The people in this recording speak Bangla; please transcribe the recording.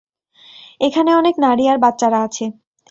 এখানে অনেক নারী আর বাচ্চারা আছে।